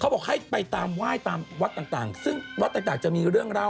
บอกให้ไปตามไหว้ตามวัดต่างซึ่งวัดต่างจะมีเรื่องเล่า